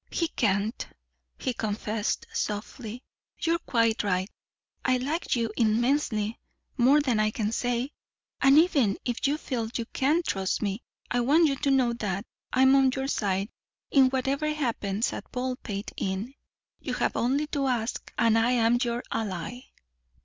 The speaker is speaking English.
"He can't," he confessed softly. "You're quite right. I like you immensely more than I can say. And even if you feel you can't trust me, I want you to know that I'm on your side in whatever happens at Baldpate Inn. You have only to ask, and I am your ally."